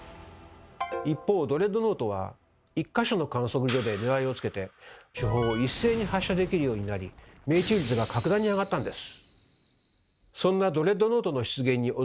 一方ドレッドノートは１か所の観測所で狙いをつけて主砲を一斉に発射できるようになり命中率が格段に上がったんです。